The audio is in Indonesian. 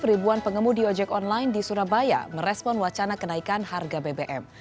ribuan pengemudi ojek online di surabaya merespon wacana kenaikan harga bbm